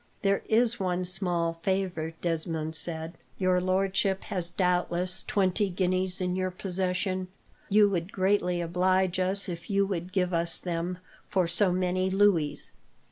"There is one small favour," Desmond said. "Your lordship has doubtless twenty guineas in your possession. You would greatly oblige us if you would give us them, for so many louis.